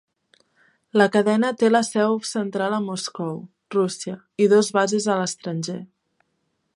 La cadena té la seu central a Moscou, Rússia, i dos bases a l'estranger.